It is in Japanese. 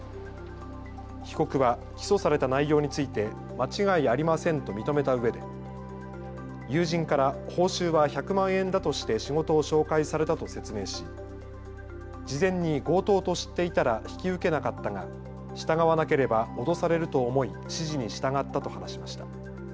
被告は起訴された内容について間違いありませんと認めたうえで友人から報酬は１００万円だとして仕事を紹介されたと説明し事前に強盗と知っていたら引き受けなかったが従わなければ脅されると思い指示に従ったと話しました。